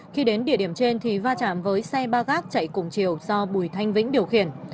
khi đến địa điểm trên thì va chạm với xe ba gác chạy cùng chiều do bùi thanh vĩnh điều khiển